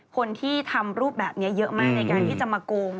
คนที่ทำรูปแบบนี้เยอะมากในการที่จะมาโกง